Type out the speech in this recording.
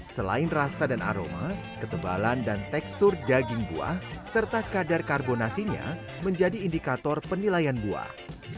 selain rasa dan aroma ketebalan dan tekstur daging buah serta kadar karbonasinya menjadi indikator penilaian buah